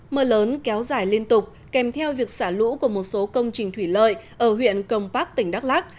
mưa lớn kéo dài liên tục kèm theo việc xả lũ của một số công trình thủy lợi ở huyện công bắc tỉnh đắk lắc